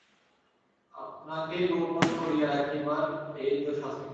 আপনাকে গোপন করিয়া রাখিবার এই তো শাস্তি!